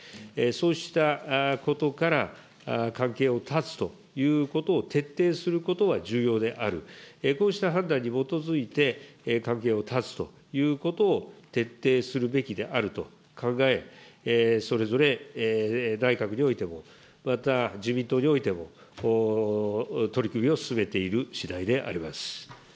そうしたことから、関係を断つということを徹底することは重要である、こうした判断に基づいて、関係を断つということを徹底するべきであると考え、それぞれ内閣においても、また自民党においても、取り組みを進めているしだいであります。